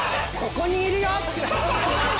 ここにいるよ！